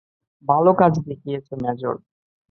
ভাল কাজ দেখিয়েছ, মেজর।